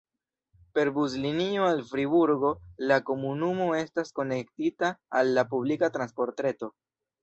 Per buslinio al Friburgo la komunumo estas konektita al la publika transportreto.